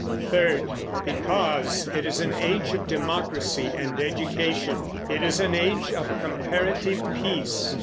Third, because it is an age of democracy and education, it is an age of comparative peace.